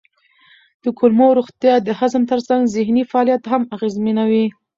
د کولمو روغتیا د هضم ترڅنګ ذهني فعالیت هم اغېزمنوي.